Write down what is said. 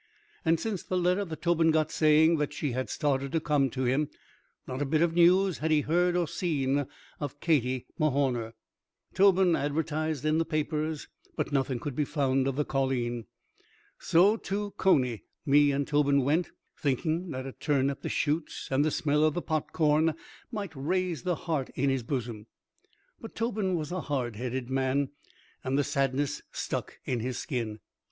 And since the letter that Tobin got saying that she had started to come to him not a bit of news had he heard or seen of Katie Mahorner. Tobin advertised in the papers, but nothing could be found of the colleen. So, to Coney me and Tobin went, thinking that a turn at the chutes and the smell of the popcorn might raise the heart in his bosom. But Tobin was a hardheaded man, and the sadness stuck in his skin.